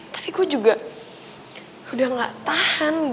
tapi gue juga udah gak tahan